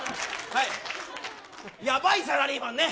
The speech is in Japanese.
やばいサラリーマンね。